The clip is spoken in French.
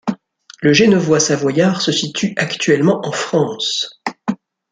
Le Genevois savoyard se situe actuellement en France.